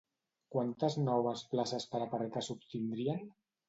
Quantes noves places per aparcar s'obtindrien?